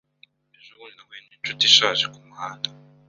Ejobundi nahuye ninshuti ishaje kumuhanda.